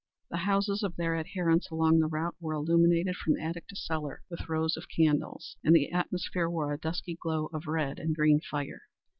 The houses of their adherents along the route were illuminated from attic to cellar with rows of candles, and the atmosphere wore a dusky glow of red and green fire.